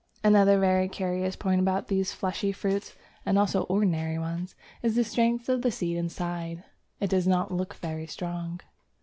Another very curious point about these fleshy fruits (and also ordinary ones) is the strength of the seed inside. It does not look very strong.